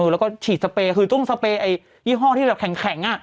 แล้วก็ฉีดสเปรย์คือต้องสเปรย์ไอ้ยี่ห้อที่แบบแข็งน่ะ